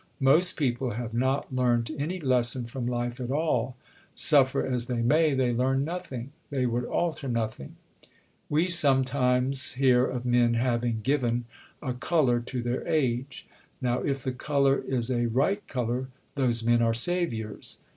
Most people have not learnt any lesson from life at all suffer as they may, they learn nothing, they would alter nothing.... We sometimes hear of men 'having given a colour to their age.' Now, if the colour is a right colour, those men are saviours."